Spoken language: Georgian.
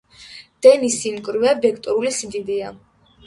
დენის სიმკვრივე ვექტორული სიდიდეა.